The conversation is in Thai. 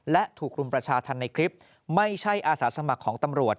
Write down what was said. และถูกรุมประชาธรรมในคลิปไม่ใช่อาสาสมัครของตำรวจ